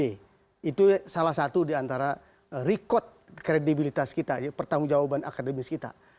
itu salah satu diantara record kredibilitas kita pertanggung jawaban akademis kita